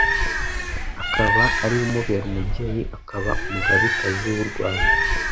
akaba ari we umubera umubyeyi, akaba Umugabekazi w'Urwanda.